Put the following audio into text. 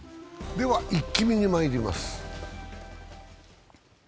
では「イッキ見」にまいります。